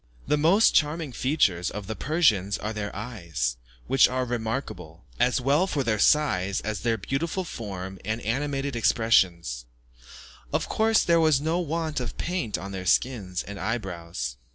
The most charming features of the Persians are their eyes, which are remarkable, as well for their size as their beautiful form and animated expression. Of course, there was no want of paint on their skins and eye brows.